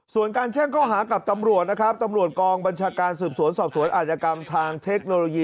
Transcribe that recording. ส่วนการแจ้งข้อหากับตำรวจนะครับตำรวจกองบัญชาการสืบสวนสอบสวนอาจกรรมทางเทคโนโลยี